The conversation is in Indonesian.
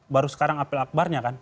baru sekarang apel akbarnya kan